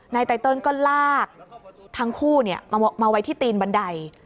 ไตเติลก็ลากทั้งคู่มาไว้ที่ตีนบันได